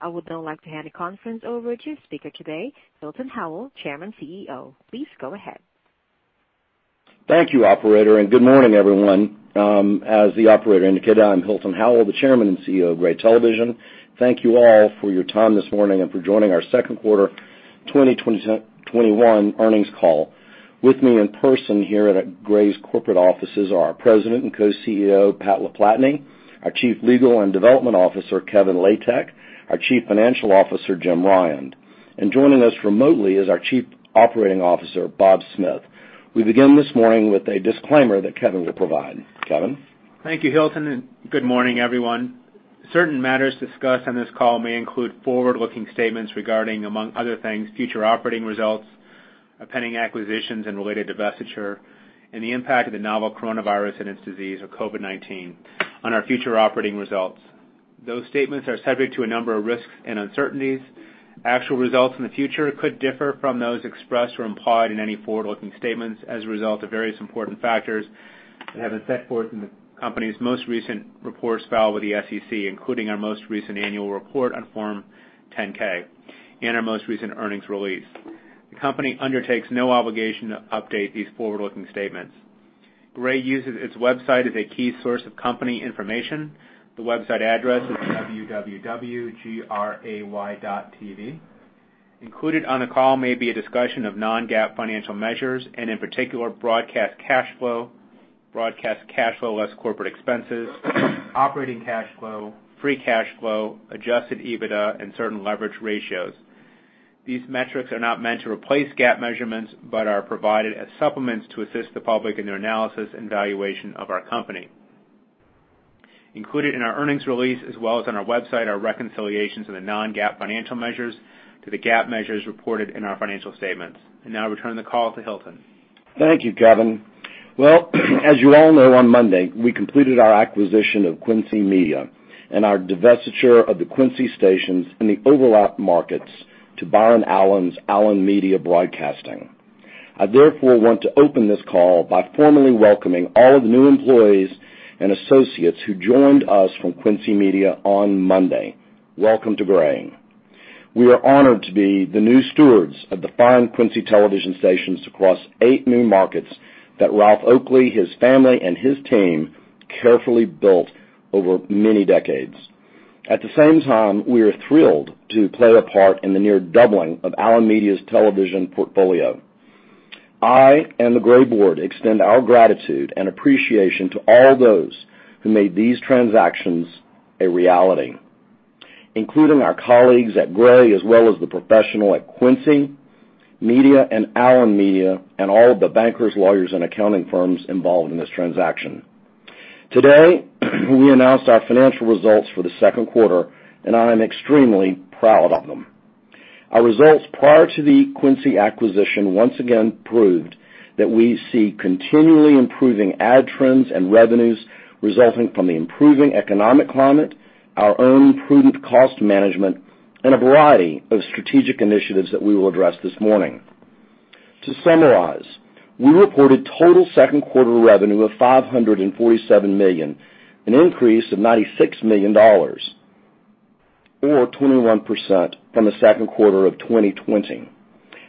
I would now like to hand the conference over to speaker today, Hilton Howell, Chairman, CEO. Please go ahead. Thank you, operator. Good morning, everyone. As the operator indicated, I'm Hilton Howell, the Chairman and CEO of Gray Television. Thank you all for your time this morning and for joining our second quarter 2021 earnings call. With me in person here at Gray's corporate offices are our President and Co-CEO, Pat LaPlatney, our Chief Legal and Development Officer, Kevin Latek, our Chief Financial Officer, Jim Ryan. Joining us remotely is our Chief Operating Officer, Bob Smith. We begin this morning with a disclaimer that Kevin will provide. Kevin? Thank you, Hilton, and good morning, everyone. Certain matters discussed on this call may include forward-looking statements regarding, among other things, future operating results, pending acquisitions and related divestiture, and the impact of the novel coronavirus and its disease, or COVID-19, on our future operating results. Those statements are subject to a number of risks and uncertainties. Actual results in the future could differ from those expressed or implied in any forward-looking statements as a result of various important factors that have been set forth in the company's most recent reports filed with the SEC, including our most recent annual report on Form 10-K and our most recent earnings release. The company undertakes no obligation to update these forward-looking statements. Gray uses its website as a key source of company information. The website address is www.gray.tv. Included on the call may be a discussion of non-GAAP financial measures, and in particular, broadcast cash flow, broadcast cash flow less corporate expenses, operating cash flow, free cash flow, adjusted EBITDA, and certain leverage ratios. These metrics are not meant to replace GAAP measurements but are provided as supplements to assist the public in their analysis and valuation of our company. Included in our earnings release as well as on our website are reconciliations of the non-GAAP financial measures to the GAAP measures reported in our financial statements. I now return the call to Hilton. Thank you, Kevin. Well, as you all know, on Monday, we completed our acquisition of Quincy Media and our divestiture of the Quincy stations in the overlap markets to Byron Allen's Allen Media Broadcasting. I therefore want to open this call by formally welcoming all of the new employees and associates who joined us from Quincy Media on Monday. Welcome to Gray. We are honored to be the new stewards of the fine Quincy television stations across eight new markets that Ralph Oakley, his family, and his team carefully built over many decades. At the same time, we are thrilled to play a part in the near doubling of Allen Media's television portfolio. I and the Gray Board extend our gratitude and appreciation to all those who made these transactions a reality, including our colleagues at Gray, as well as the professional at Quincy Media and Allen Media, and all of the bankers, lawyers, and accounting firms involved in this transaction. Today, we announced our financial results for the second quarter, and I am extremely proud of them. Our results prior to the Quincy acquisition once again proved that we see continually improving ad trends and revenues resulting from the improving economic climate, our own prudent cost management, and a variety of strategic initiatives that we will address this morning. To summarize, we reported total second quarter revenue of $547 million, an increase of $96 million, or 21% from the second quarter of 2020.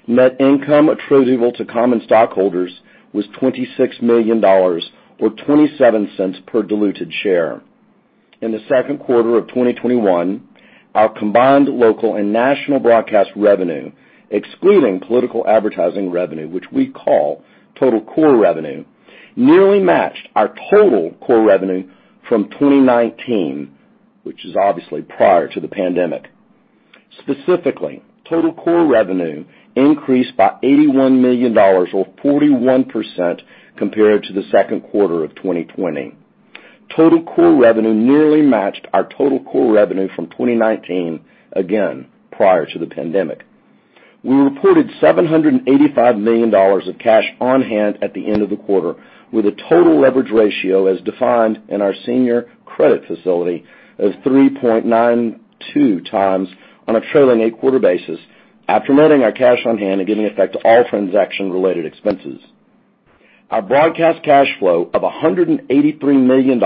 Net income attributable to common stockholders was $26 million or $0.27 per diluted share. In the second quarter of 2021, our combined local and national broadcast revenue, excluding political advertising revenue, which we call total core revenue, nearly matched our total core revenue from 2019, which is obviously prior to the pandemic. Specifically, total core revenue increased by $81 million or 41% compared to the second quarter of 2020. Total core revenue nearly matched our total core revenue from 2019, again, prior to the pandemic. We reported $785 million of cash on hand at the end of the quarter, with a total leverage ratio as defined in our senior credit facility of 3.92x on a trailing eight-quarter basis after noting our cash on hand and giving effect to all transaction-related expenses. Our broadcast cash flow of $183 million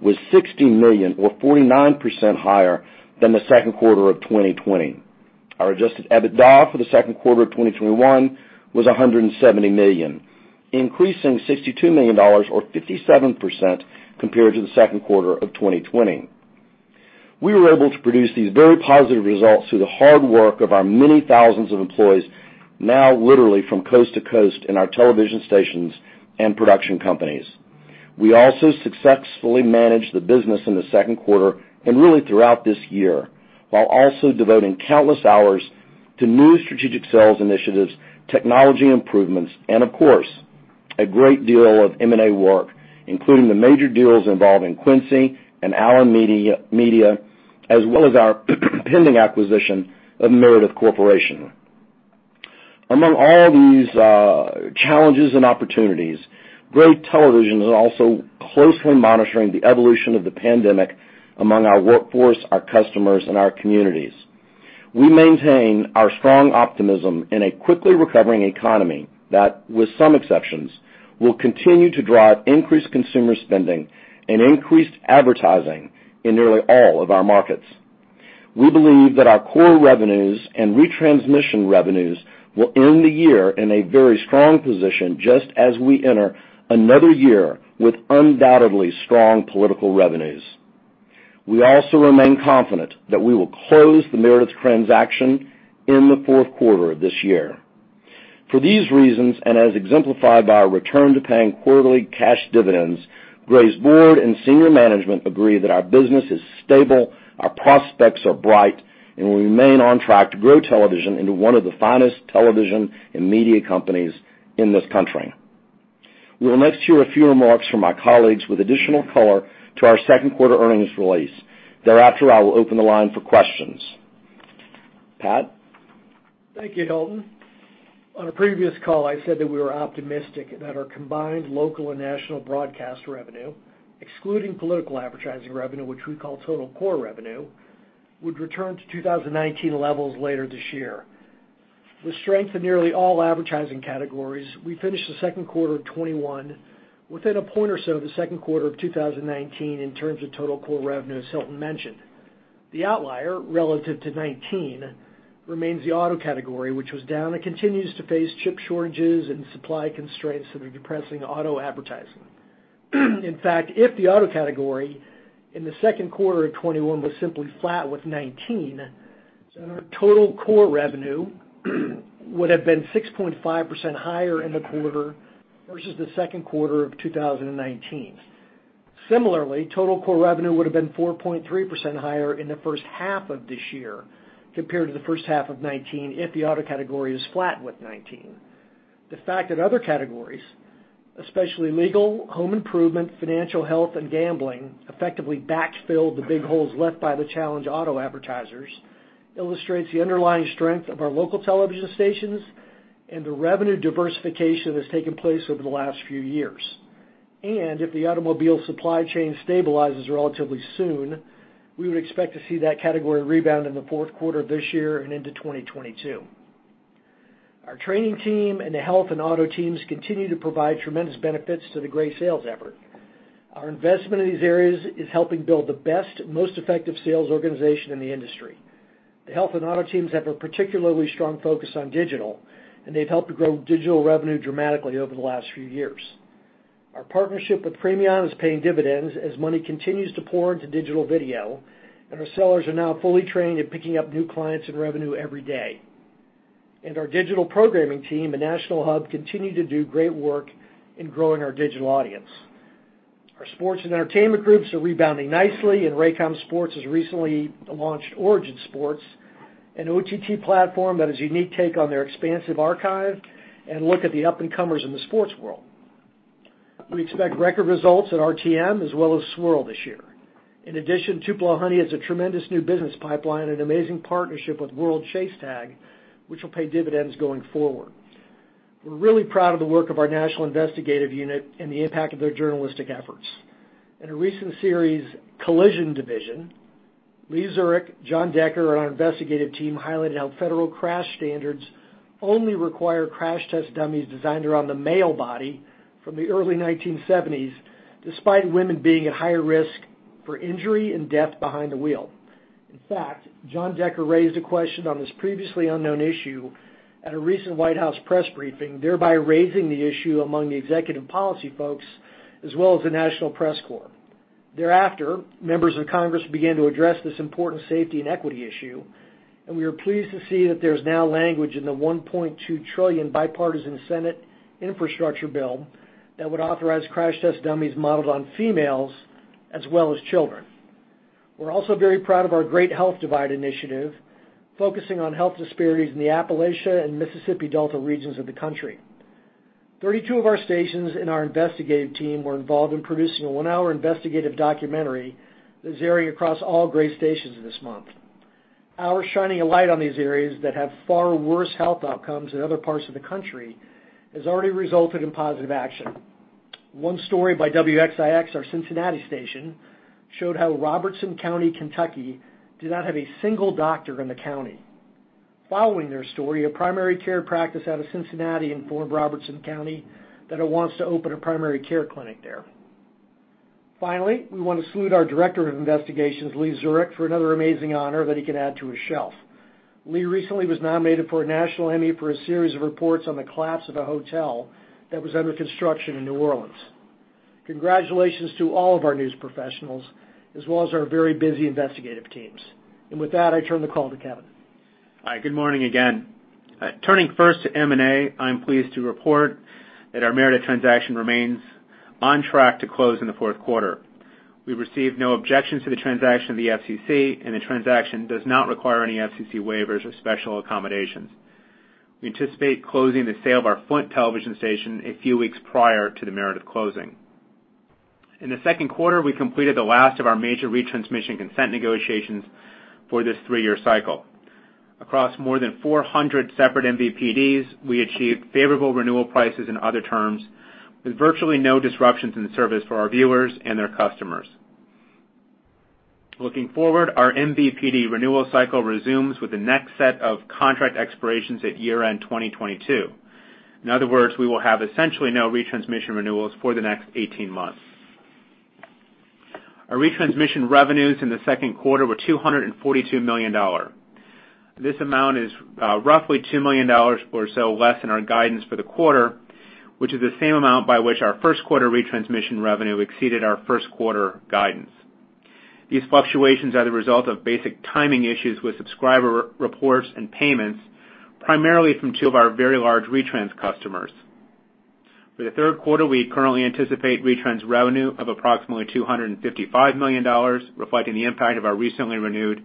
was $16 million or 49% higher than the second quarter of 2020. Our adjusted EBITDA for the second quarter of 2021 was $170 million, increasing $62 million or 57% compared to the second quarter of 2020. We were able to produce these very positive results through the hard work of our many thousands of employees now literally from coast to coast in our television stations and production companies. We also successfully managed the business in the second quarter and really throughout this year, while also devoting countless hours to new strategic sales initiatives, technology improvements, and of course. A great deal of M&A work, including the major deals involving Quincy and Allen Media, as well as our pending acquisition of Meredith Corporation. Among all these challenges and opportunities, Gray Television is also closely monitoring the evolution of the pandemic among our workforce, our customers, and our communities. We maintain our strong optimism in a quickly recovering economy that, with some exceptions, will continue to drive increased consumer spending and increased advertising in nearly all of our markets. We believe that our core revenues and retransmission revenues will end the year in a very strong position just as we enter another year with undoubtedly strong political revenues. We also remain confident that we will close the Meredith transaction in the fourth quarter of this year. For these reasons, and as exemplified by our return to paying quarterly cash dividends, Gray's Board and senior management agree that our business is stable, our prospects are bright, and we remain on track to grow television into one of the finest television and media companies in this country. You will next hear a few remarks from my colleagues with additional color to our second quarter earnings release. Thereafter, I will open the line for questions. Pat? Thank you, Hilton. On a previous call, I said that we were optimistic that our combined local and national broadcast revenue, excluding political advertising revenue, which we call total core revenue, would return to 2019 levels later this year. The strength of nearly all advertising categories, we finished the second quarter of 2021 within a point or so of the second quarter of 2019 in terms of total core revenue, as Hilton mentioned. The outlier relative to 2019 remains the auto category, which was down and continues to face chip shortages and supply constraints that are depressing auto advertising. In fact, if the auto category in the second quarter of 2021 was simply flat with 2019, then our total core revenue would have been 6.5% higher in the quarter versus the second quarter of 2019. Similarly, total core revenue would've been 4.3% higher in the first half of this year compared to the first half of 2019 if the auto category is flat with 2019. The fact that other categories, especially legal, home improvement, financial health, and gambling, effectively backfilled the big holes left by the challenged auto advertisers illustrates the underlying strength of our local television stations and the revenue diversification that's taken place over the last few years. If the automobile supply chain stabilizes relatively soon, we would expect to see that category rebound in the fourth quarter of this year and into 2022. Our training team and the health and auto teams continue to provide tremendous benefits to the Gray sales effort. Our investment in these areas is helping build the best, most effective sales organization in the industry. The health and auto teams have a particularly strong focus on digital, and they've helped to grow digital revenue dramatically over the last few years. Our partnership with Premion is paying dividends as money continues to pour into digital video, and our sellers are now fully trained and picking up new clients and revenue every day. Our digital programming team and national hub continue to do great work in growing our digital audience. Our sports and entertainment groups are rebounding nicely, and Raycom Sports has recently launched Origin Sports, an OTT platform that is a unique take on their expansive archive and look at the up-and-comers in the sports world. We expect record results at RTM as well as Swirl this year. In addition, Tupelo Honey has a tremendous new business pipeline and an amazing partnership with World Chase Tag, which will pay dividends going forward. We're really proud of the work of our National Investigative Unit and the impact of their journalistic efforts. In a recent series, Collision Division, Lee Zurik, Jon Decker, and our investigative team highlighted how federal crash standards only require crash test dummies designed around the male body from the early 1970s, despite women being at higher risk for injury and death behind the wheel. In fact, Jon Decker raised a question on this previously unknown issue at a recent White House press briefing, thereby raising the issue among the executive policy folks as well as the National Press Corps. Thereafter, members of Congress began to address this important safety and equity issue, and we are pleased to see that there's now language in the $1.2 trillion bipartisan Senate infrastructure bill that would authorize crash test dummies modeled on females as well as children. We're also very proud of our Great Health Divide initiative, focusing on health disparities in the Appalachia and Mississippi Delta regions of the country. 32 of our stations and our investigative team were involved in producing a one-hour investigative documentary that is airing across all Gray stations this month. Our shining a light on these areas that have far worse health outcomes than other parts of the country has already resulted in positive action. One story by WXIX, our Cincinnati station, showed how Robertson County, Kentucky, did not have a single doctor in the county. Following their story, a primary care practice out of Cincinnati informed Robertson County that it wants to open a primary care clinic there. Finally, we want to salute our Director of Investigations, Lee Zurik, for another amazing honor that he can add to his shelf. Lee recently was nominated for a national Emmy for a series of reports on the collapse of a hotel that was under construction in New Orleans. Congratulations to all of our news professionals, as well as our very busy investigative teams. With that, I turn the call to Kevin. Hi. Good morning again. Turning first to M&A, I'm pleased to report that our Meredith transaction remains on track to close in the fourth quarter. We received no objections to the transaction of the FCC, and the transaction does not require any FCC waivers or special accommodations. We anticipate closing the sale of our Flint television station a few weeks prior to the Meredith closing. In the second quarter, we completed the last of our major retransmission consent negotiations for this three-year cycle. Across more than 400 separate MVPDs, we achieved favorable renewal prices and other terms, with virtually no disruptions in service for our viewers and their customers. Looking forward, our MVPD renewal cycle resumes with the next set of contract expirations at year-end 2022. In other words, we will have essentially no retransmission renewals for the next 18 months. Our retransmission revenues in the second quarter were $242 million. This amount is roughly $2 million or so less than our guidance for the quarter, which is the same amount by which our first quarter retransmission revenue exceeded our first quarter guidance. These fluctuations are the result of basic timing issues with subscriber reports and payments, primarily from two of our very large retrans customers. For the third quarter, we currently anticipate retrans revenue of approximately $255 million, reflecting the impact of our recently renewed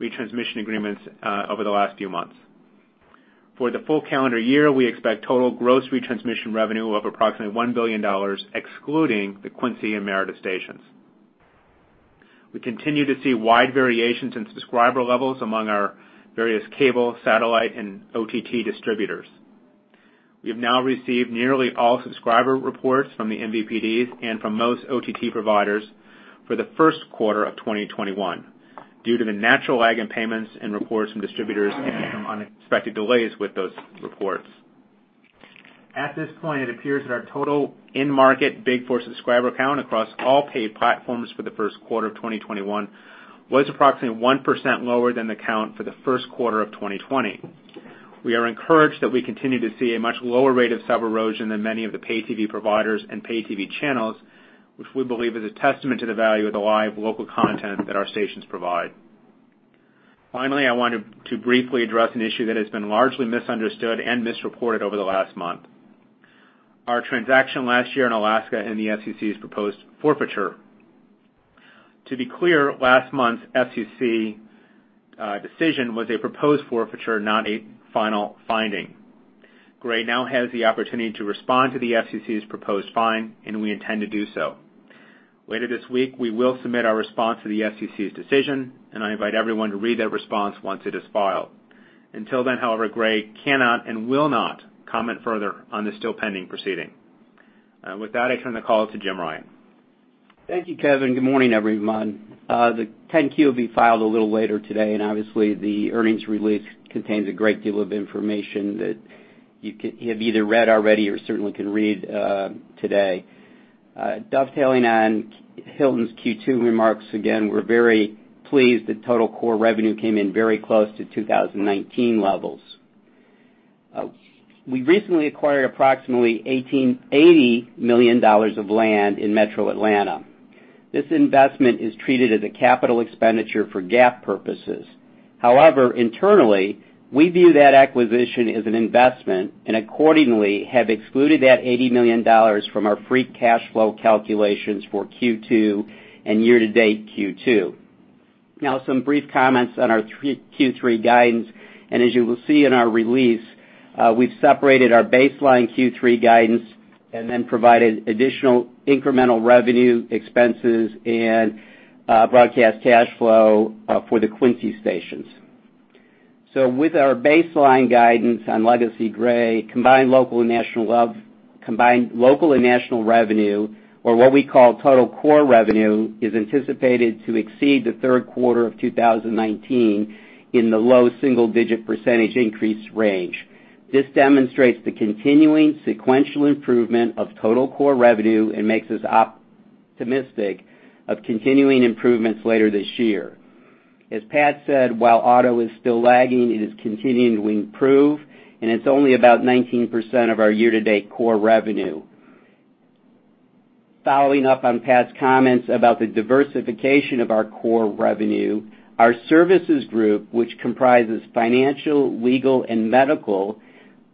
retransmission agreements over the last few months. For the full calendar year, we expect total gross retransmission revenue of approximately $1 billion, excluding the Quincy and Meredith stations. We continue to see wide variations in subscriber levels among our various cable, satellite, and OTT distributors. We have now received nearly all subscriber reports from the MVPDs and from most OTT providers for the first quarter of 2021, due to the natural lag in payments and reports from distributors and some unexpected delays with those reports. At this point, it appears that our total in-market BIG4 subscriber count across all paid platforms for the first quarter of 2021 was approximately 1% lower than the count for the first quarter of 2020. We are encouraged that we continue to see a much lower rate of sub erosion than many of the pay TV providers and pay TV channels, which we believe is a testament to the value of the live local content that our stations provide. Finally, I wanted to briefly address an issue that has been largely misunderstood and misreported over the last month. Our transaction last year in Alaska and the FCC's proposed forfeiture. To be clear, last month's FCC decision was a proposed forfeiture, not a final finding. Gray now has the opportunity to respond to the FCC's proposed fine, and we intend to do so. Later this week, we will submit our response to the FCC's decision, and I invite everyone to read that response once it is filed. Until then, however, Gray cannot and will not comment further on this still pending proceeding. With that, I turn the call to Jim Ryan. Thank you, Kevin. Good morning, everyone. The 10-Q will be filed a little later today, and obviously the earnings release contains a great deal of information that you have either read already or certainly can read today. Dovetailing on Hilton's Q2 remarks, again, we're very pleased that total core revenue came in very close to 2019 levels. We recently acquired approximately $80 million of land in Metro Atlanta. This investment is treated as a capital expenditure for GAAP purposes. However, internally, we view that acquisition as an investment and accordingly have excluded that $80 million from our free cash flow calculations for Q2 and year-to-date Q2. Now, some brief comments on our Q3 guidance. As you will see in our release, we've separated our baseline Q3 guidance and then provided additional incremental revenue expenses and broadcast cash flow for the Quincy stations. With our baseline guidance on legacy Gray, combined local and national revenue, or what we call total core revenue, is anticipated to exceed the third quarter of 2019 in the low single-digit % increase range. This demonstrates the continuing sequential improvement of total core revenue and makes us optimistic of continuing improvements later this year. As Pat said, while auto is still lagging, it's continuing to improve, and it's only about 19% of our year-to-date core revenue. Following up on Pat's comments about the diversification of our core revenue, our services group, which comprises financial, legal, and medical,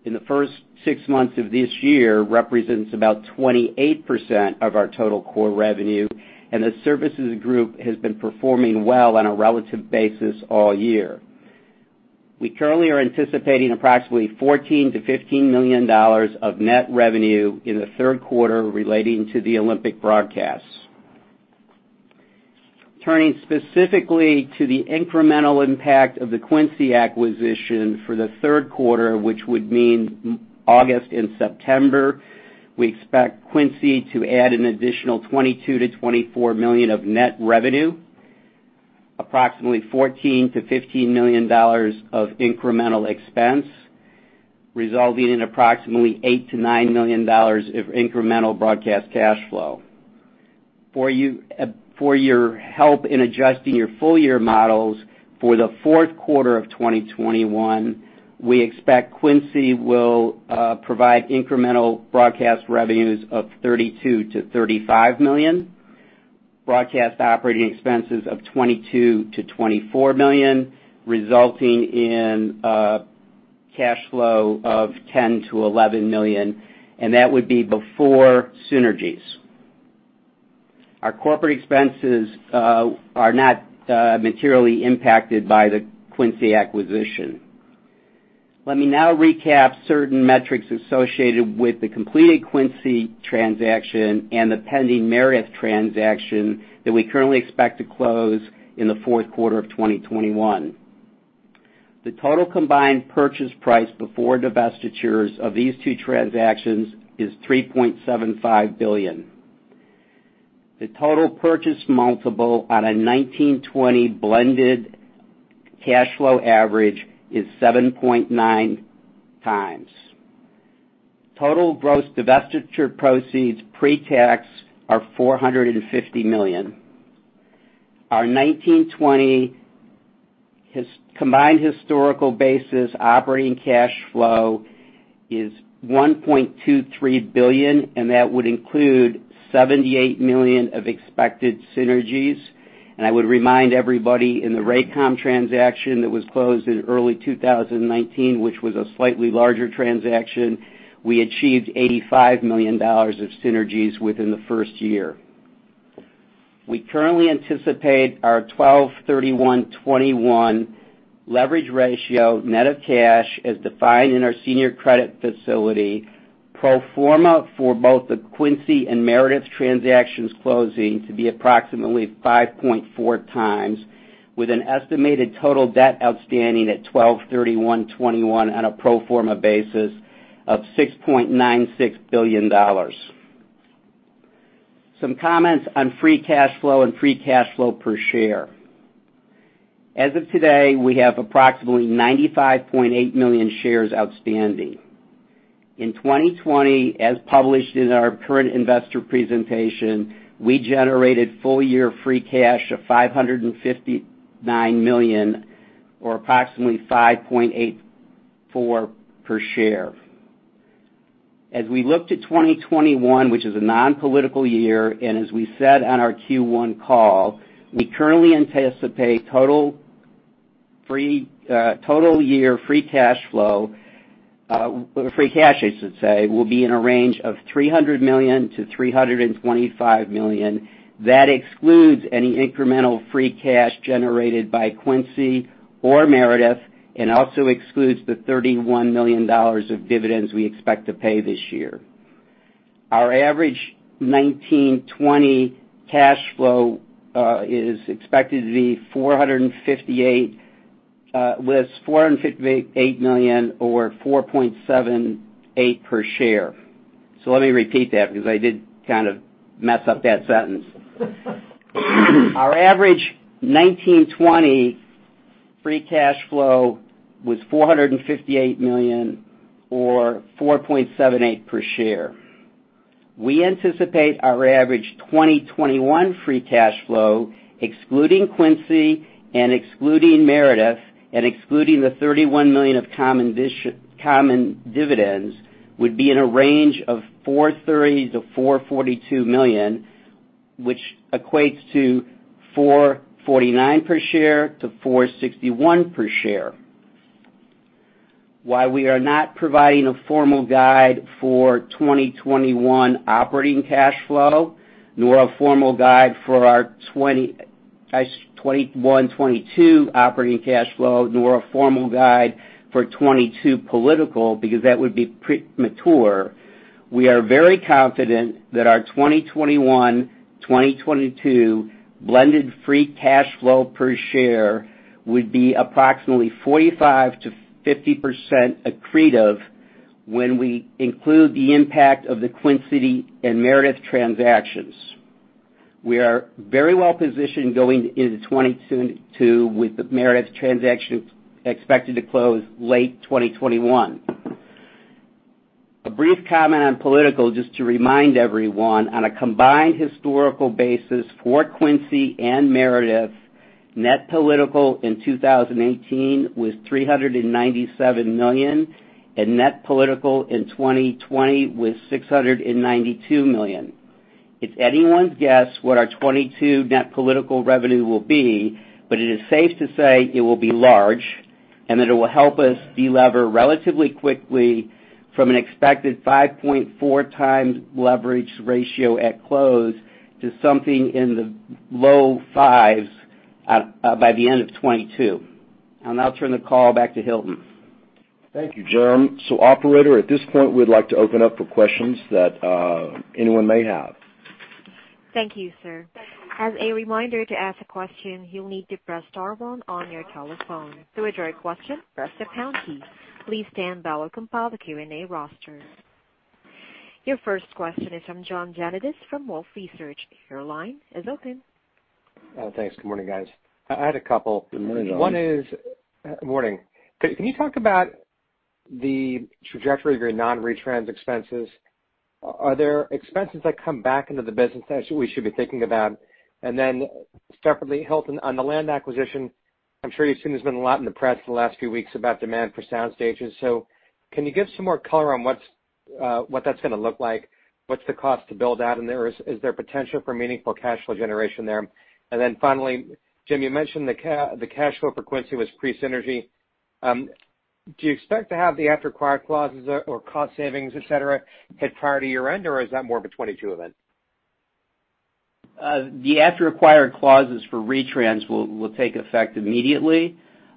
in the first six months of this year, represents about 28% of our total core revenue, and the services group has been performing well on a relative basis all year. We currently are anticipating approximately $14 million-$15 million of net revenue in the third quarter relating to the Olympic broadcasts. Turning specifically to the incremental impact of the Quincy acquisition for the third quarter, which would mean August and September, we expect Quincy to add an additional $22 million-$24 million of net revenue, approximately $14 million-$15 million of incremental expense, resulting in approximately $8 million-$9 million of incremental broadcast cash flow. For your help in adjusting your full-year models for the fourth quarter of 2021, we expect Quincy will provide incremental broadcast revenues of $32 million-$35 million, broadcast operating expenses of $22 million-$24 million, resulting in a cash flow of $10 million-$11 million, and that would be before synergies. Our corporate expenses are not materially impacted by the Quincy acquisition. Let me now recap certain metrics associated with the completed Quincy transaction and the pending Meredith transaction that we currently expect to close in the fourth quarter of 2021. The total combined purchase price before divestitures of these two transactions is $3.75 billion. The total purchase multiple on a 2019-2020 blended cash flow average is 7.9x. Total gross divestiture proceeds pre-tax are $450 million. Our 2019-2020 combined historical basis operating cash flow is $1.23 billion. That would include $78 million of expected synergies. I would remind everybody in the Raycom transaction that was closed in early 2019, which was a slightly larger transaction, we achieved $85 million of synergies within the first year. We currently anticipate our 12/31/2021 leverage ratio net of cash as defined in our senior credit facility pro forma for both the Quincy and Meredith transactions closing to be approximately 5.4x, with an estimated total debt outstanding at 12/31/2021 on a pro forma basis of $6.96 billion. Some comments on free cash flow and free cash flow per share. As of today, we have approximately 95.8 million shares outstanding. In 2020, as published in our current investor presentation, we generated full year free cash of $559 million or approximately $5.84 per share. As we look to 2021, which is a non-political year, as we said on our Q1 call, we currently anticipate total year free cash, I should say, will be in a range of $300 million-$325 million. That excludes any incremental free cash generated by Quincy or Meredith and also excludes the $31 million of dividends we expect to pay this year. Our average 2019-2020 cash flow is expected to be $458 million or $4.78 per share. Let me repeat that because I did kind of mess up that sentence. Our average 2019-2020 free cash flow was $458 million or $4.78 per share. We anticipate our average 2021 free cash flow, excluding Quincy and excluding Meredith and excluding the $31 million of common dividends would be in a range of $430 million-$442 million, which equates to $4.49-$4.61 per share. While we are not providing a formal guide for 2021 operating cash flow, nor a formal guide for our 2021-2022 operating cash flow, nor a formal guide for 2022 political because that would be premature, we are very confident that our 2021-2022 blended free cash flow per share would be approximately 45%-50% accretive when we include the impact of the Quincy and Meredith transactions. We are very well positioned going into 2022 with the Meredith transaction expected to close late 2021. A brief comment on political just to remind everyone. On a combined historical basis for Quincy and Meredith, net political in 2018 was $397 million, and net political in 2020 was $692 million. It's anyone's guess what our 2022 net political revenue will be, but it is safe to say it will be large and that it will help us delever relatively quickly from an expected 5.4x leverage ratio at close to something in the low 5s by the end of 2022. I'll now turn the call back to Hilton. Thank you, Jim. Operator, at this point, we'd like to open up for questions that anyone may have. Thank you, sir. As a reminder to ask a question, you'll need to press star one on your telephone. To withdraw your question, press the pound key. Please stand by while I compile the Q and A roaster. Your first question is from John Janedis from Wolfe Research. Thanks. Good morning, guys. I had a couple. Good morning, John. Can you talk about the trajectory of your non-retrans expenses? Are there expenses that come back into the business that we should be thinking about? Separately, Hilton, on the land acquisition, I'm sure you've seen there's been a lot in the press in the last few weeks about demand for sound stages. Can you give some more color on what that's going to look like? What's the cost to build out in there? Is there potential for meaningful cash flow generation there? Finally, Jim, you mentioned the cash flow frequency with pre-synergy. Do you expect to have the after acquired clauses or cost savings, et cetera, hit prior to year-end, or is that more of a 2022 event? The after-acquired clauses for retrans will take effect immediately.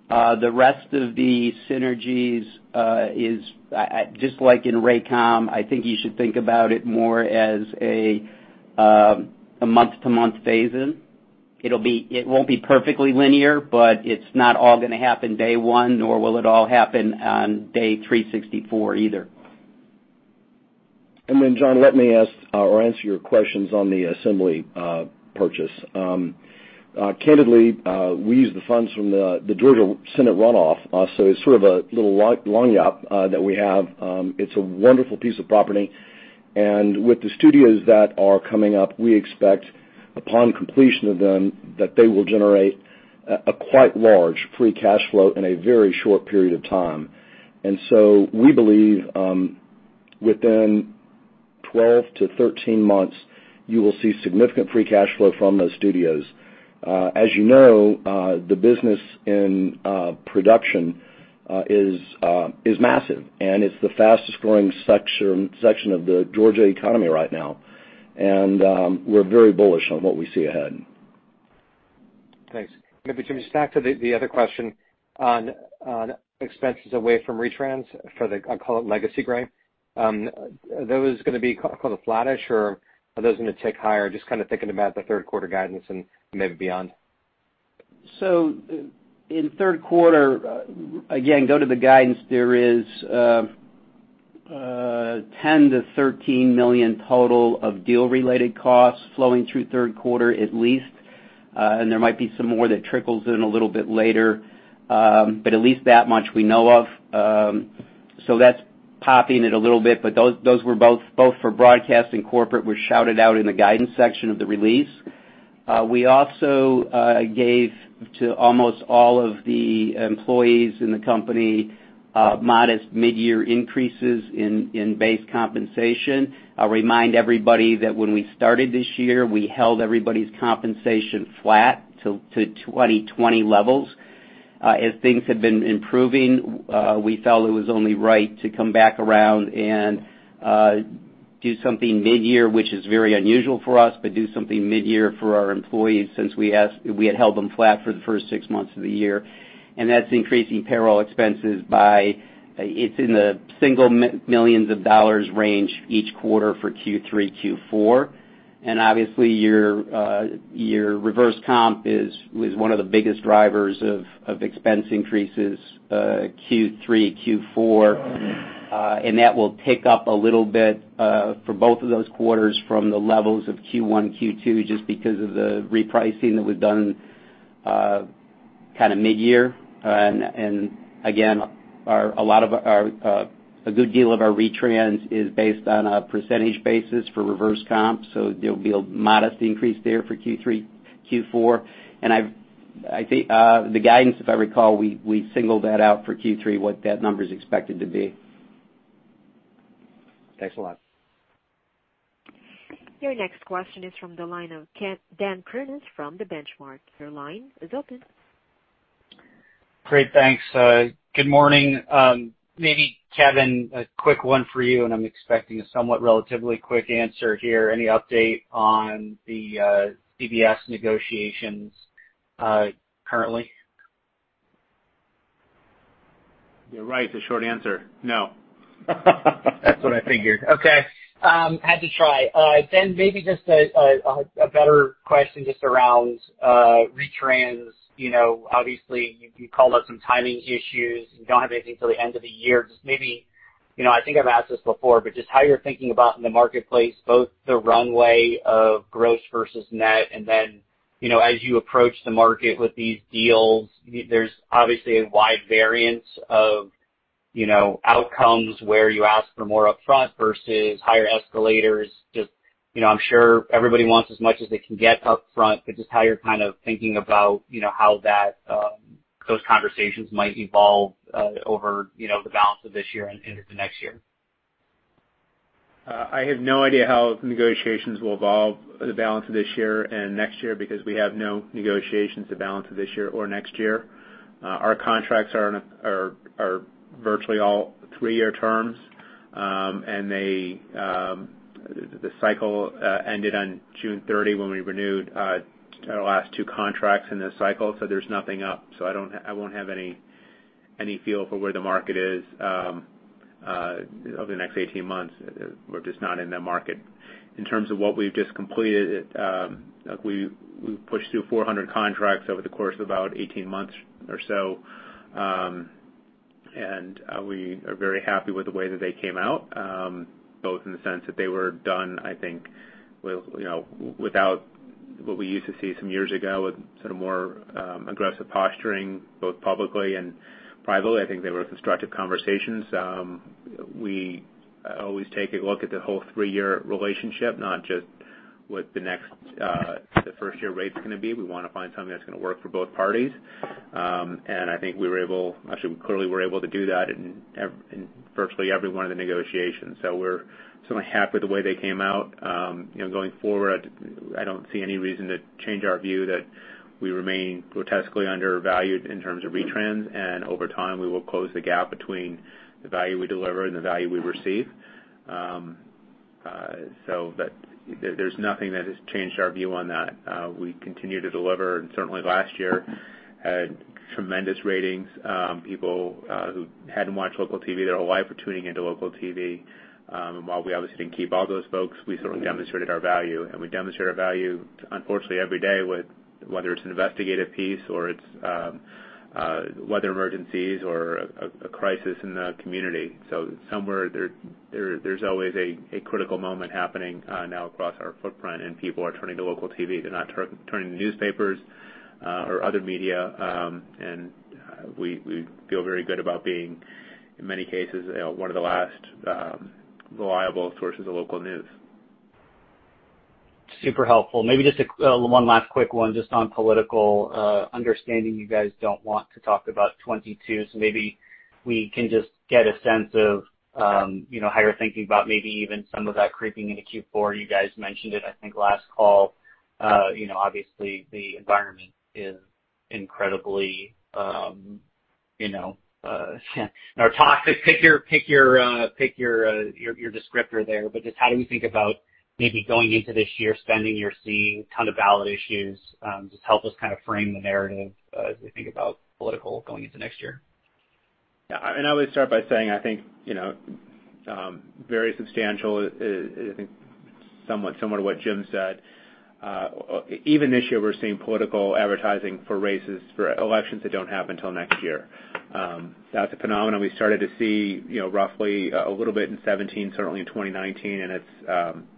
The rest of the synergies is, just like in Raycom, I think you should think about it more as a month-to-month phase-in. It won't be perfectly linear, but it's not all going to happen day one, nor will it all happen on day 364 either. John, let me ask or answer your questions on the Assembly purchase. Candidly, we used the funds from the Georgia Senate runoff, so it's sort of a little long yup that we have. It's a wonderful piece of property. With the studios that are coming up, we expect upon completion of them, that they will generate a quite large free cash flow in a very short period of time. We believe, within 12-13 months, you will see significant free cash flow from those studios. As you know, the business in production is massive, and it's the fastest growing section of the Georgia economy right now. We're very bullish on what we see ahead. Thanks. Maybe, Jim, back to the other question on expenses away from retrans for the, I'll call it Legacy Gray. Are those going to be kind of flattish, or are those going to tick higher? Just kind of thinking about the third quarter guidance and maybe beyond. In third quarter, again, go to the guidance, there is $10 million-$13 million total of deal-related costs flowing through third quarter at least. There might be some more that trickles in a little bit later. At least that much we know of. That's popping it a little bit, but those were both for broadcast and corporate, were shouted out in the guidance section of the release. We also gave to almost all of the employees in the company modest mid-year increases in base compensation. I'll remind everybody that when we started this year, we held everybody's compensation flat to 2020 levels. As things have been improving, we felt it was only right to come back around and do something mid-year, which is very unusual for us, but do something mid-year for our employees since we had held them flat for the first six months of the year. That's increasing payroll expenses by, it's in the single millions of dollars range each quarter for Q3, Q4. Obviously, your reverse comp was one of the biggest drivers of expense increases Q3, Q4. That will tick up a little bit for both of those quarters from the levels of Q1, Q2, just because of the repricing that was done mid-year. Again, a good deal of our retrans is based on a percentage basis for reverse comp. There'll be a modest increase there for Q3, Q4. The guidance, if I recall, we singled that out for Q3, what that number's expected to be. Thanks a lot. Your next question is from the line of Dan Kurnos from The Benchmark. Your line is open. Great. Thanks. Good morning. Maybe Kevin, a quick one for you. I'm expecting a somewhat relatively quick answer here. Any update on the CBS negotiations currently? You're right. The short answer, no. That's what I figured. Okay. Had to try. Maybe just a better question just around retrans. Obviously, you called out some timing issues. You don't have anything till the end of the year. I think I've asked this before, but just how you're thinking about in the marketplace, both the runway of gross versus net, and then, as you approach the market with these deals, there's obviously a wide variance of outcomes where you ask for more upfront versus higher escalators. Just, I'm sure everybody wants as much as they can get upfront, but just how you're kind of thinking about how those conversations might evolve over the balance of this year and into the next year. I have no idea how negotiations will evolve the balance of this year and next year because we have no negotiations the balance of this year or next year. Our contracts are virtually all three-year terms. The cycle ended on June 30 when we renewed our last two contracts in this cycle. There's nothing up. I won't have any feel for where the market is over the next 18 months. We're just not in the market. In terms of what we've just completed, we pushed through 400 contracts over the course of about 18 months or so. We are very happy with the way that they came out, both in the sense that they were done, I think, without what we used to see some years ago with sort of more aggressive posturing, both publicly and privately. I think they were constructive conversations. We always take a look at the whole three-year relationship, not just what the next, the first-year rate's going to be. We want to find something that's going to work for both parties. I think we were able, actually, we clearly were able to do that in virtually every one of the negotiations. We're certainly happy with the way they came out. Going forward, I don't see any reason to change our view that we remain grotesquely undervalued in terms of retrans, and over time, we will close the gap between the value we deliver and the value we receive. There's nothing that has changed our view on that. We continue to deliver, certainly last year had tremendous ratings. People who hadn't watched local TV their whole life were tuning into local TV. While we obviously didn't keep all those folks, we certainly demonstrated our value. We demonstrate our value, unfortunately, every day, whether it's an investigative piece or it's weather emergencies or a crisis in the community. Somewhere there's always a critical moment happening now across our footprint, and people are turning to local TV. They're not turning to newspapers or other media. We feel very good about being, in many cases, one of the last reliable sources of local news. Super helpful. Maybe just one last quick one just on political understanding. You guys don't want to talk about 2022. Maybe we can just get a sense of how you're thinking about maybe even some of that creeping into Q4. You guys mentioned it, I think, last call. Obviously, the environment is incredibly toxic. Pick your descriptor there. Just how do we think about maybe going into this year, spending you're seeing, kind of ballot issues. Just help us frame the narrative as we think about political going into next year. Yeah. I would start by saying, I think, very substantial is, I think, somewhat similar to what Jim said. Even this year, we're seeing political advertising for races, for elections that don't happen till next year. That's a phenomenon we started to see roughly a little bit in 2017, certainly in 2019.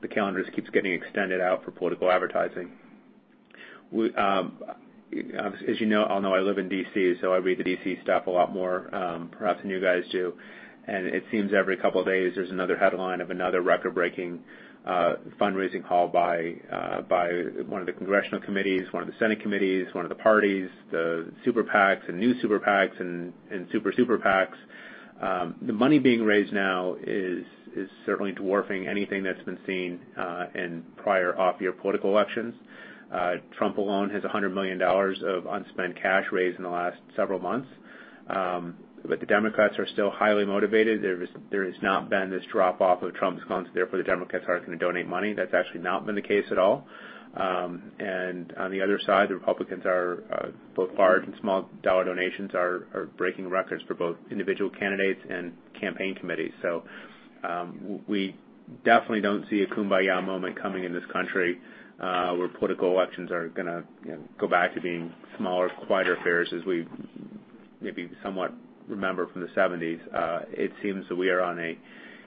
The calendar just keeps getting extended out for political advertising. As you all know, I live in D.C., I read the D.C. stuff a lot more perhaps than you guys do. It seems every couple of days, there's another headline of another record-breaking fundraising call by one of the congressional committees, one of the Senate committees, one of the parties, the super PACs and new super PACs and super super PACs. The money being raised now is certainly dwarfing anything that's been seen in prior off-year political elections. Trump alone has $100 million of unspent cash raised in the last several months. The Democrats are still highly motivated. There has not been this drop-off of Trump's gone, so therefore the Democrats aren't going to donate money. That's actually not been the case at all. On the other side, the Republicans are, both large and small dollar donations are breaking records for both individual candidates and campaign committees. We definitely don't see a kumbaya moment coming in this country, where political elections are going to go back to being smaller, quieter affairs as we maybe somewhat remember from the '70s. It seems that we are on a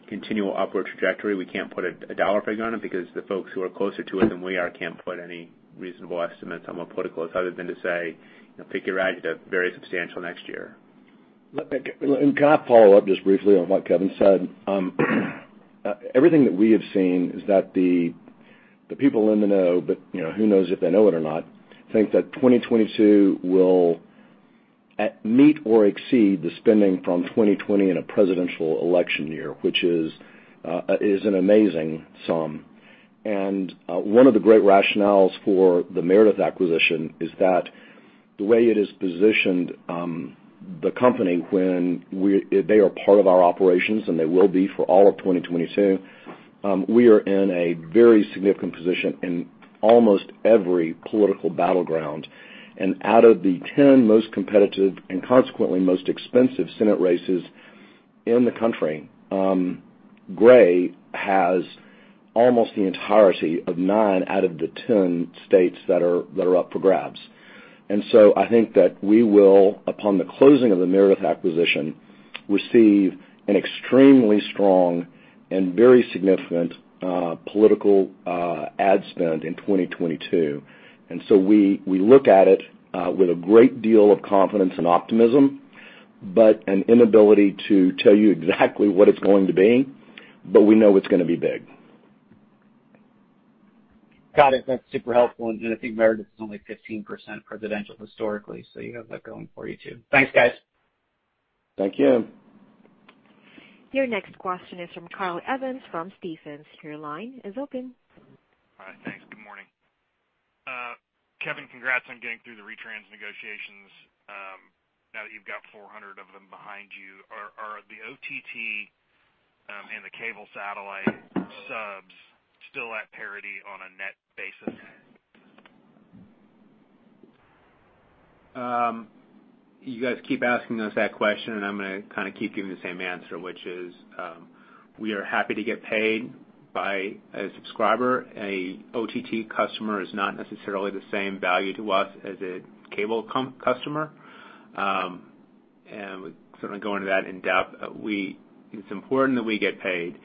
continual upward trajectory. We can't put a dollar figure on it because the folks who are closer to it than we are can't put any reasonable estimates on what political is other than to say, pick your adjective, very substantial next year. Can I follow up just briefly on what Kevin said? Everything that we have seen is that the people in the know, but who knows if they know it or not, think that 2022 will meet or exceed the spending from 2020 in a presidential election year, which is an amazing sum. One of the great rationales for the Meredith acquisition is that the way it is positioned the company when they are part of our operations, and they will be for all of 2022, we are in a very significant position in almost every political battleground. Out of the 10 most competitive and consequently most expensive Senate races in the country, Gray has almost the entirety of nine out of the 10 states that are up for grabs. I think that we will, upon the closing of the Meredith acquisition, receive an extremely strong and very significant political ad spend in 2022. We look at it with a great deal of confidence and optimism, but an inability to tell you exactly what it's going to be. We know it's going to be big. Got it. That's super helpful. I think Meredith is only 15% presidential historically, so you have that going for you, too. Thanks, guys. Thank you. Your next question is from Kyle Evans from Stephens. Your line is open. Hi. Thanks. Good morning. Kevin, congrats on getting through the retrans negotiations. Now that you've got 400 of them behind you, are the OTT and the cable satellite subs still at parity on a net basis? You guys keep asking us that question, and I'm going to keep giving the same answer, which is, we are happy to get paid by a subscriber. A OTT customer is not necessarily the same value to us as a cable customer. We sort of go into that in depth. It's important that we get paid.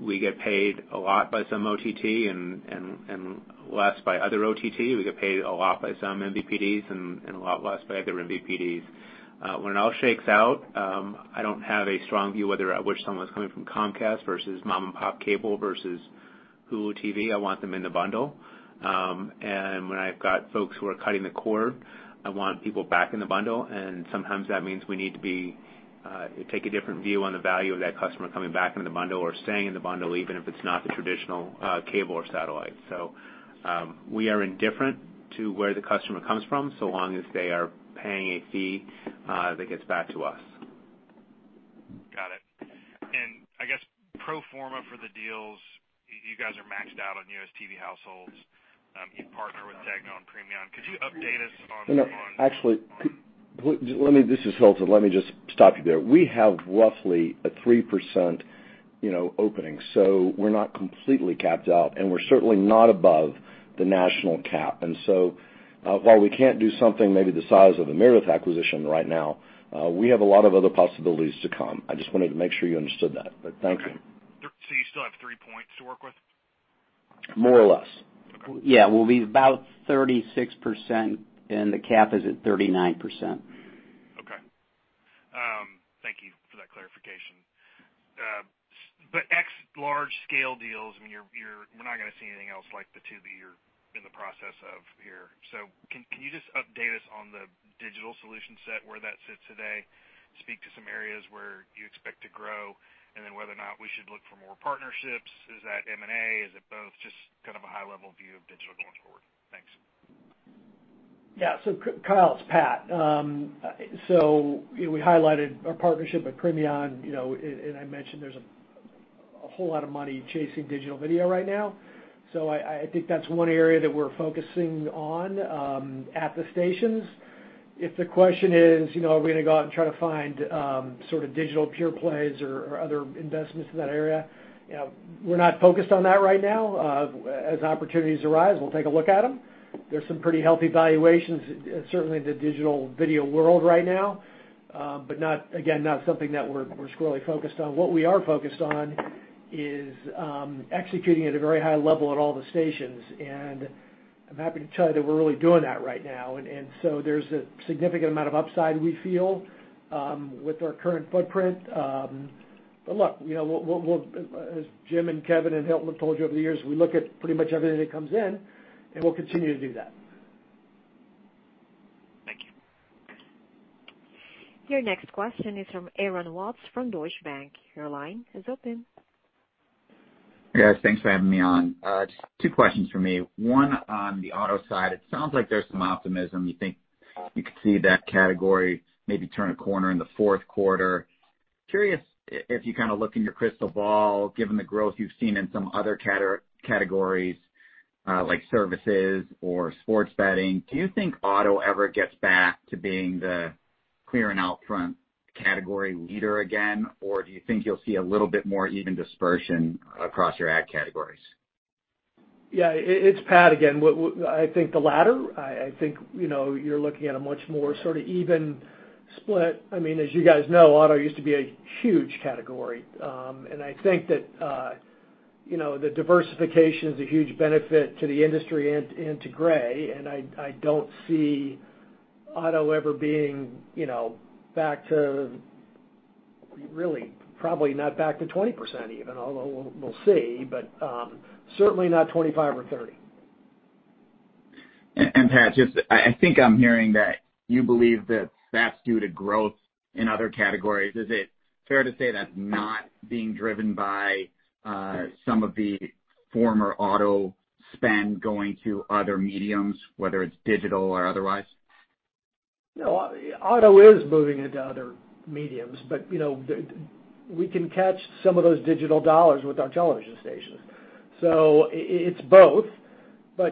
We get paid a lot by some OTT and less by other OTT. We get paid a lot by some MVPDs and a lot less by other MVPDs. When it all shakes out, I don't have a strong view whether I wish someone's coming from Comcast versus mom-and-pop cable versus Hulu TV, I want them in the bundle. When I've got folks who are cutting the cord, I want people back in the bundle, and sometimes that means we need to take a different view on the value of that customer coming back into the bundle or staying in the bundle, even if it's not the traditional cable or satellite. We are indifferent to where the customer comes from, so long as they are paying a fee that gets back to us. Got it. I guess pro forma for the deals, you guys are maxed out on U.S. TV households. You partner with Tegna on Premion. Could you update us on? Actually, this is Hilton. Let me just stop you there. We have roughly a 3% opening, so we're not completely capped out, and we're certainly not above the national cap. While we can't do something maybe the size of the Meredith acquisition right now, we have a lot of other possibilities to come. I just wanted to make sure you understood that, but thank you. Okay. You still have three points to work with? More or less. Okay. Yeah, we'll be about 36%, and the cap is at 39%. Okay. Thank you for that clarification. Ex large scale deals, we're not going to see anything else like the two that you're in the process of here. Can you just update us on the digital solution set, where that sits today, speak to some areas where you expect to grow, and then whether or not we should look for more partnerships? Is that M&A? Is it both? Just kind of a high level view of digital going forward. Thanks. Kyle, it's Pat. We highlighted our partnership with Premion, and I mentioned there's a whole lot of money chasing digital video right now. I think that's one area that we're focusing on at the stations. If the question is, are we going to go out and try to find digital pure plays or other investments in that area, we're not focused on that right now. As opportunities arise, we'll take a look at them. There's some pretty healthy valuations, certainly in the digital video world right now. Again, not something that we're squarely focused on. What we are focused on is executing at a very high level at all the stations, and I'm happy to tell you that we're really doing that right now. There's a significant amount of upside we feel with our current footprint. Look, as Jim and Kevin and Hilton have told you over the years, we look at pretty much everything that comes in, and we'll continue to do that. Thank you. Your next question is from Aaron Watts from Deutsche Bank. Your line is open. Yes. Thanks for having me on. Just two questions from me. One on the auto side, it sounds like there's some optimism. You think you could see that category maybe turn a corner in the fourth quarter. Curious if you look in your crystal ball, given the growth you've seen in some other categories like services or sports betting, do you think auto ever gets back to being the clear and out front category leader again, or do you think you'll see a little bit more even dispersion across your ad categories? Yeah, it's Pat again. I think the latter. I think you're looking at a much more even split. As you guys know, auto used to be a huge category. I think that the diversification is a huge benefit to the industry and to Gray, and I don't see auto ever being back to, really, probably not back to 20% even, although we'll see, but certainly not 25% or 30%. Pat, I think I'm hearing that you believe that that's due to growth in other categories. Is it fair to say that's not being driven by some of the former auto spend going to other mediums, whether it's digital or otherwise? No, auto is moving into other mediums. We can catch some of those digital dollars with our television stations. It's both.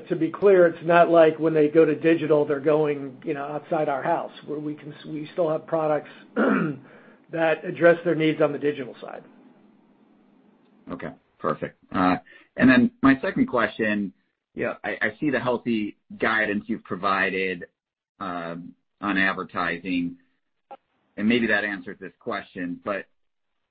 To be clear, it's not like when they go to digital, they're going outside our house. We still have products that address their needs on the digital side. Okay, perfect. My second question, I see the healthy guidance you've provided on advertising, and maybe that answers this question, but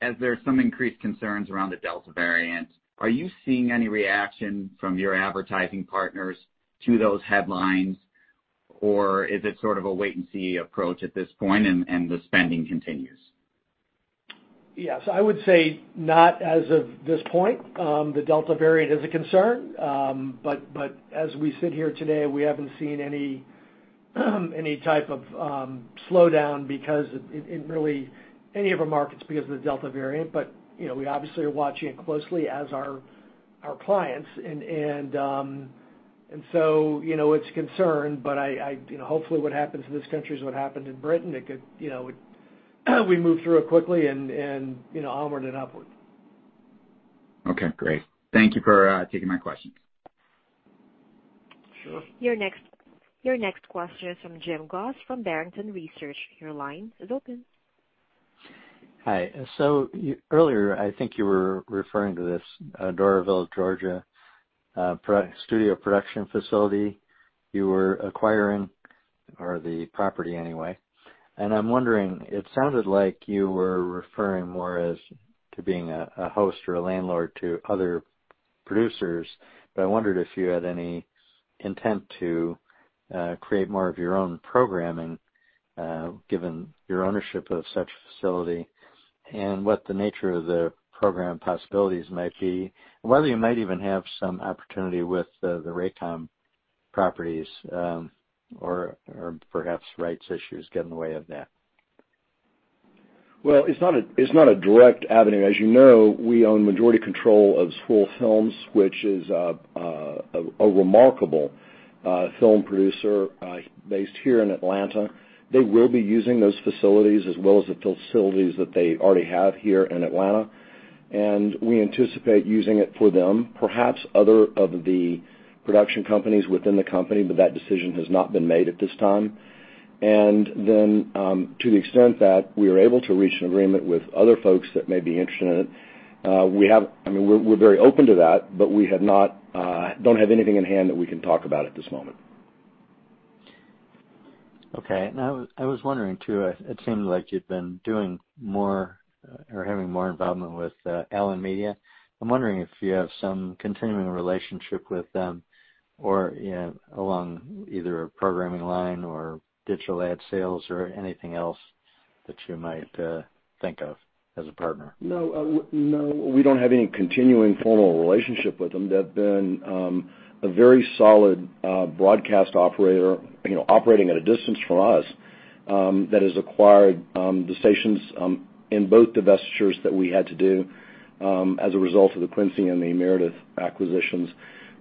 as there's some increased concerns around the Delta variant, are you seeing any reaction from your advertising partners to those headlines, or is it sort of a wait and see approach at this point and the spending continues? Yes, I would say not as of this point. The Delta variant is a concern. As we sit here today, we haven't seen any type of slowdown because in, really, any of our markets because of the Delta variant. We obviously are watching it closely as our clients. It's a concern, but hopefully what happens in this country is what happened in Britain. We move through it quickly and onward and upward. Okay, great. Thank you for taking my questions. Sure. Your next question is from Jim Goss from Barrington Research. Your line is open. Hi. Earlier, I think you were referring to this Assembly Atlanta you were acquiring, or the property anyway. I'm wondering, it sounded like you were referring more as to being a host or a landlord to other producers, but I wondered if you had any intent to create more of your own programming. Given your ownership of such a facility and what the nature of the program possibilities might be, and whether you might even have some opportunity with the Raycom properties, or perhaps rights issues get in the way of that. Well, it's not a direct avenue. As you know, we own majority control of Swirl Films, which is a remarkable film producer based here in Atlanta. They will be using those facilities as well as the facilities that they already have here in Atlanta. We anticipate using it for them, perhaps other of the production companies within the company, but that decision has not been made at this time. To the extent that we are able to reach an agreement with other folks that may be interested in it, we're very open to that, but we don't have anything in hand that we can talk about at this moment. Okay. I was wondering, too, it seemed like you'd been doing more or having more involvement with Allen Media. I'm wondering if you have some continuing relationship with them or along either a programming line or digital ad sales or anything else that you might think of as a partner. No, we don't have any continuing formal relationship with them. They've been a very solid broadcast operator, operating at a distance from us, that has acquired the stations in both divestitures that we had to do as a result of the Quincy and the Meredith acquisitions.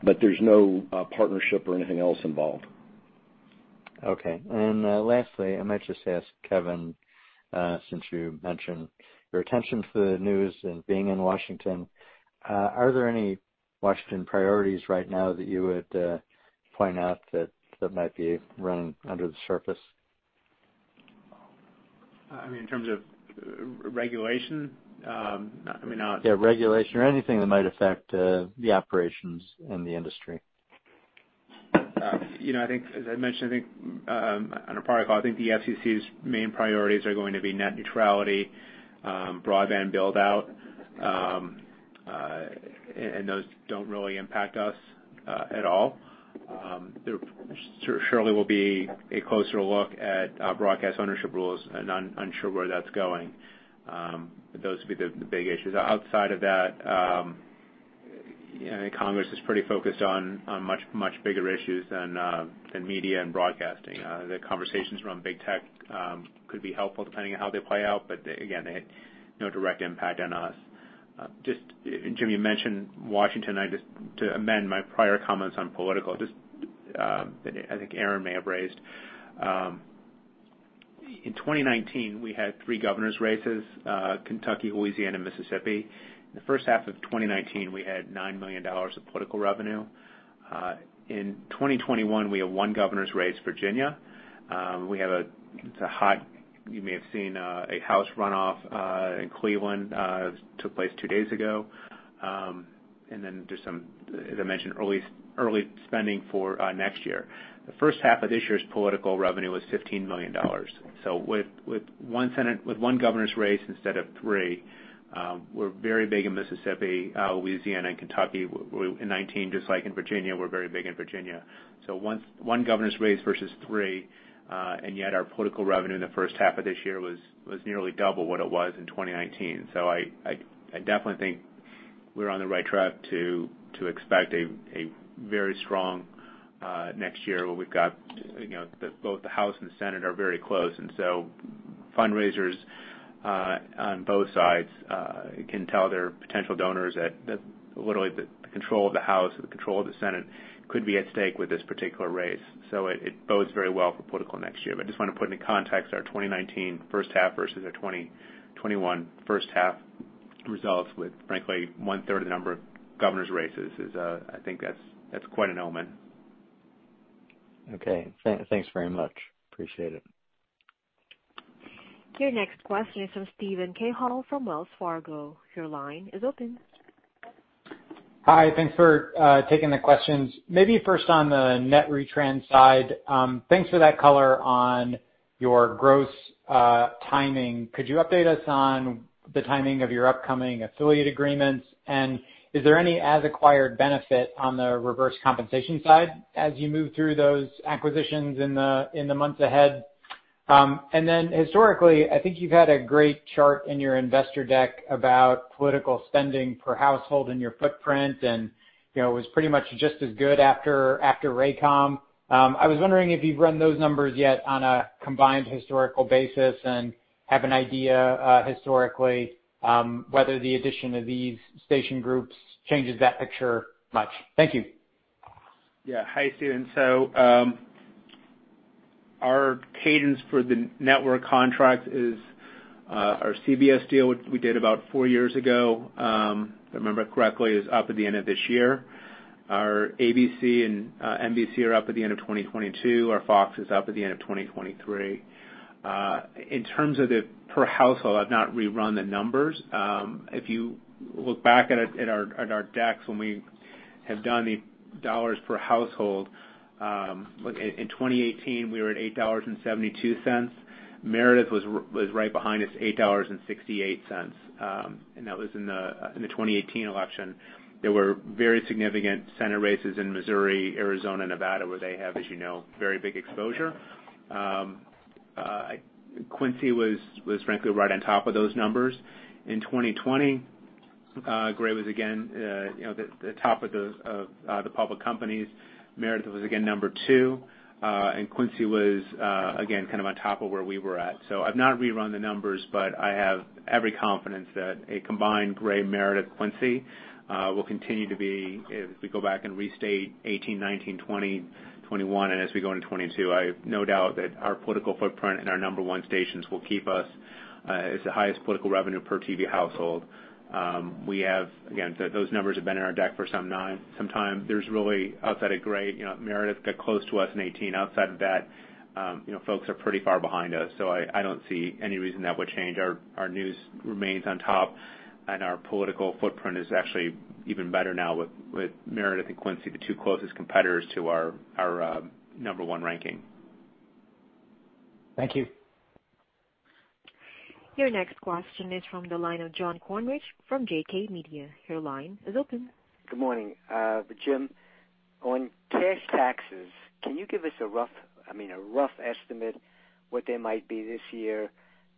But there's no partnership or anything else involved. Okay. Lastly, I might just ask Kevin, since you mentioned your attention to the news and being in Washington, are there any Washington priorities right now that you would point out that might be running under the surface? In terms of regulation? I mean, Yeah, regulation or anything that might affect the operations in the industry. As I mentioned, I think, on a prior call, I think the FCC's main priorities are going to be net neutrality, broadband build-out, and those don't really impact us at all. There surely will be a closer look at broadcast ownership rules, and I'm unsure where that's going. Those would be the big issues. Outside of that, Congress is pretty focused on much, much bigger issues than media and broadcasting. The conversations around big tech could be helpful depending on how they play out, but again, they had no direct impact on us. Just, Jim, you mentioned Washington. To amend my prior comments on political, just that I think Aaron may have raised. In 2019, we had three Governor's races, Kentucky, Louisiana, Mississippi. In the first half of 2019, we had $9 million of political revenue. In 2021, we have one Governor's race, Virginia. We have a, it's hot, you may have seen a House runoff in Cleveland, took place two days ago. Just some, as I mentioned, early spending for next year. The first half of this year's political revenue was $15 million. With one Governor's race instead of three, we're very big in Mississippi, Louisiana, and Kentucky in 2019, just like in Virginia, we're very big in Virginia. One Governor's race versus three, and yet our political revenue in the first half of this year was nearly double what it was in 2019. I definitely think we're on the right track to expect a very strong next year where we've got both the House and the Senate are very close. Fundraisers on both sides can tell their potential donors that literally the control of the House or the control of the Senate could be at stake with this particular race. It bodes very well for political next year. I just want to put into context our 2019 first half versus our 2021 first half results with, frankly, one-third of the number of Governor's races is, I think that's quite an omen. Okay. Thanks very much. Appreciate it. Your next question is from Steven Cahall from Wells Fargo. Your line is open. Hi. Thanks for taking the questions. Maybe first on the net retrans side. Thanks for that color on your gross timing. Could you update us on the timing of your upcoming affiliate agreements? Is there any as-acquired benefit on the reverse compensation side as you move through those acquisitions in the months ahead? Historically, I think you've had a great chart in your investor deck about political spending per household in your footprint, and it was pretty much just as good after Raycom. I was wondering if you've run those numbers yet on a combined historical basis and have an idea historically, whether the addition of these station groups changes that picture much. Thank you. Yeah. Hi, Steven. Our cadence for the network contract is our CBS deal, which we did about four years ago, if I remember correctly, is up at the end of this year. Our ABC and NBC are up at the end of 2022. Our Fox is up at the end of 2023. In terms of the per household, I've not rerun the numbers. If you look back at our decks when we have done the dollars per household, in 2018, we were at $8.72. Meredith was right behind us, $8.68. That was in the 2018 election. There were very significant Senate races in Missouri, Arizona, Nevada, where they have, as you know, very big exposure. Quincy was frankly right on top of those numbers. In 2020, Gray was again the top of the public companies. Meredith was again number two. Quincy was, again, kind of on top of where we were at. I've not rerun the numbers, but I have every confidence that a combined Gray, Meredith, Quincy, will continue to be, if we go back and restate 2018, 2019, 2020, 2021, and as we go into 2022, I have no doubt that our political footprint and our number one stations will keep us as the highest political revenue per TV household. Again, those numbers have been in our deck for some time. Outside of Gray, Meredith got close to us in 2018. Outside of that, folks are pretty far behind us, so I don't see any reason that would change. Our news remains on top, and our political footprint is actually even better now with Meredith and Quincy, the two closest competitors to our number one ranking. Thank you. Your next question is from the line of John Kornreich from JK Media. Your line is open. Good morning. Jim, on cash taxes, can you give us a rough estimate what they might be this year,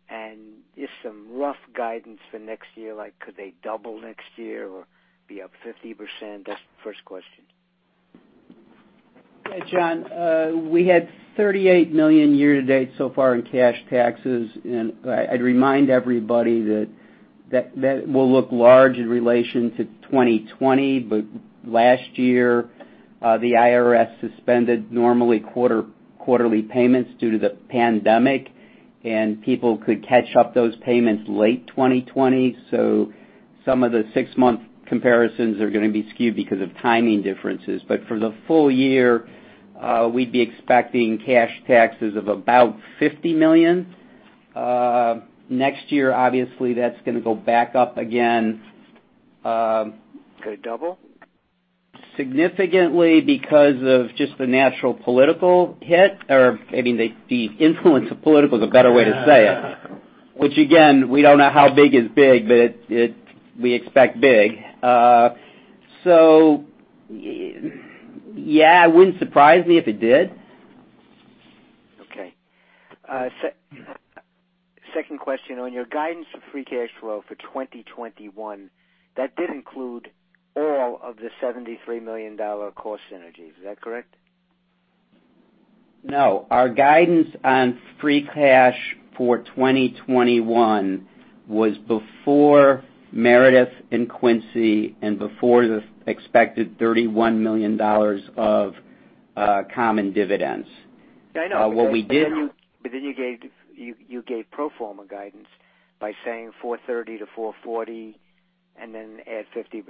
and just some rough guidance for next year? Could they double next year or be up 50%? That's the first question. John, we had $38 million year to date so far in cash taxes. I'd remind everybody that that will look large in relation to 2020. Last year, the IRS suspended normally quarterly payments due to the pandemic, and people could catch up those payments late 2020. Some of the six-month comparisons are going to be skewed because of timing differences. For the full year, we'd be expecting cash taxes of about $50 million. Next year, obviously, that's going to go back up again. Could it double? Significantly because of just the natural political hit, or the influence of political is a better way to say it. Yeah. Which again, we don't know how big is big, but we expect big. Yeah, it wouldn't surprise me if it did. Okay. Second question. On your guidance of free cash flow for 2021, that did include all of the $73 million cost synergies, is that correct? No. Our guidance on free cash for 2021 was before Meredith and Quincy and before the expected $31 million of common dividends. Yeah, I know. What we did. You gave pro forma guidance by saying $430 million-$440 million and then add 50%.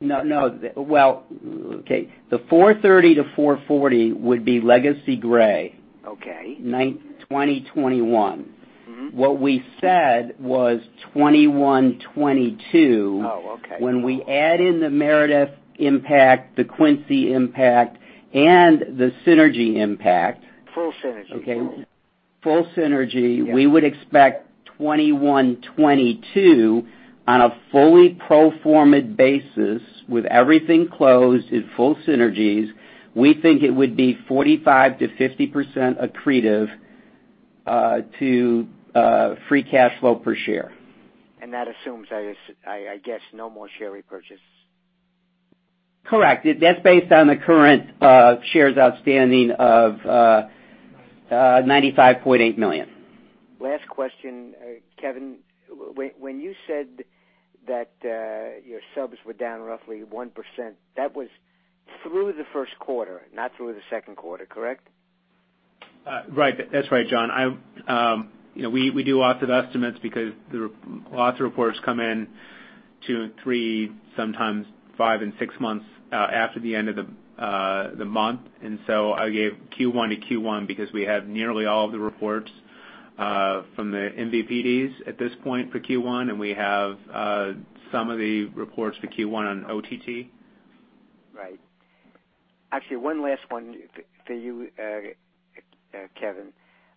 No. Well, okay. The $430 million-$440 million would be Legacy Gray. Okay. 2021. What we said was 2021-2022. Oh, okay. when we add in the Meredith impact, the Quincy impact, and the synergy impact. Full synergy. Okay. Yeah we would expect 2021-2022 on a fully pro forma basis with everything closed at full synergies, we think it would be 45%-50% accretive to free cash flow per share. That assumes, I guess, no more share repurchases. Correct. That's based on the current shares outstanding of 95.8 million. Last question. Kevin, when you said that your subs were down roughly 1%, that was through the first quarter, not through the second quarter, correct? Right. That's right, John. We do lots of estimates because lots of reports come in two, three, sometimes five and six months after the end of the month. I gave Q1 to Q1 because we have nearly all of the reports from the MVPDs at this point for Q1, and we have some of the reports for Q1 on OTT. Right. Actually, one last one for you, Kevin.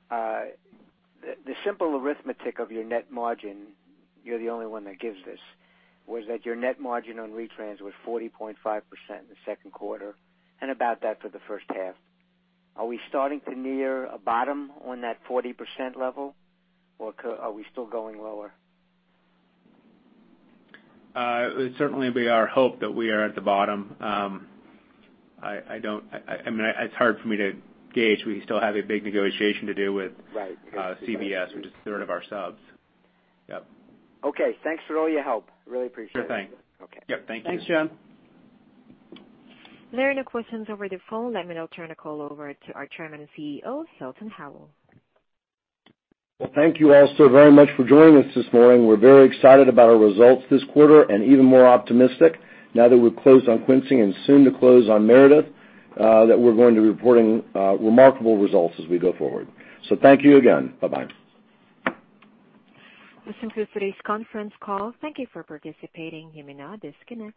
The simple arithmetic of your net margin, you're the only one that gives this, was that your net margin on retrans was 40.5% in the second quarter and about that for the first half. Are we starting to near a bottom on that 40% level, or are we still going lower? It would certainly be our hope that we are at the bottom. It's hard for me to gauge. We still have a big negotiation to do with. Right CBS, which is a third of our subs. Yep. Okay. Thanks for all your help. Really appreciate it. Sure thing. Okay. Yep. Thank you. Thanks, John. There are no questions over the phone. I'm going to turn the call over to our Chairman and CEO, Hilton Howell. Well, thank you all so very much for joining us this morning. We're very excited about our results this quarter and even more optimistic now that we're closed on Quincy and soon to close on Meredith, that we're going to be reporting remarkable results as we go forward. Thank you again. Bye-bye. This concludes today's conference call. Thank you for participating. You may now disconnect.